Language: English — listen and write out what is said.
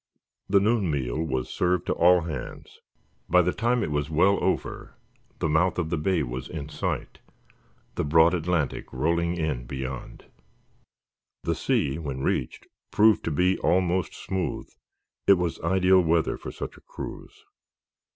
The noon meal was served to all hands. By the time it was well over the mouth of the Bay was in sight, the broad Atlantic rolling in beyond. The sea, when reached, proved to be almost smooth. It was ideal weather for such a cruise.